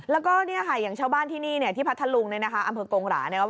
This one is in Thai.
แล้วก็อย่างชาวบ้านที่นี่ที่พัทธาลุงอำเภอกงหรา